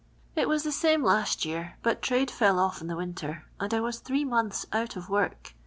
It was the same last year, but trade fell off in the winter, and I was three months out of work.